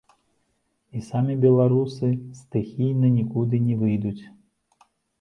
І самі беларусы стыхійна нікуды не выйдуць.